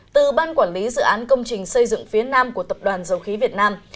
từ ban quản lý dự án công trình xây dựng phía nam của tập đoàn dầu khí việt nam